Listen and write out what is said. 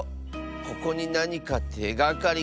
ここになにかてがかりがあるかも。